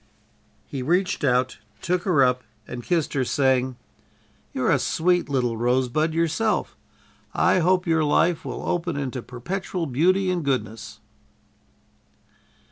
He reached out, took her up and kissed her, saying: "You're a sweet little rosebud yourself. I hope your life will open into perpetual beauty and goodness."